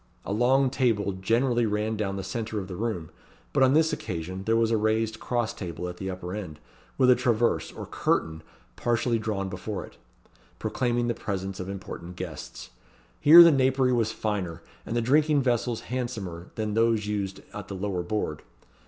A long table generally ran down the centre of the room; but on this occasion there was a raised cross table at the upper end, with a traverse, or curtain, partially drawn before it, proclaiming the presence of important guests. Here the napery was finer, and the drinking vessels handsomer, than those used at the lower board.